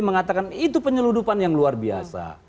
mengatakan itu penyeludupan yang luar biasa